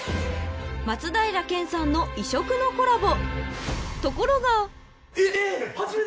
［松平健さんの異色のコラボ］